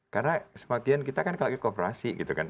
karena sebagian kita kan kalau kooperasi gitu kan